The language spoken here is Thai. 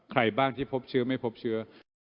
ใครบ้างที่พบเชื้อไม่พบเชื้อ